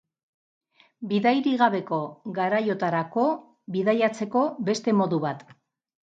Bidairik gabeko garaiotarako bidaiatzeko beste modu bat.